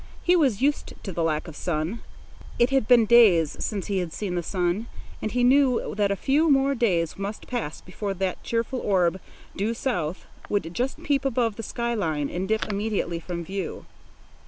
He was used to the lack of sun. It had been days since he had seen the sun, and he knew that a few more days must pass before that cheerful orb, due south, would just peep above the sky line and dip immediately from view.